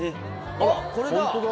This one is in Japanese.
あっこれだ。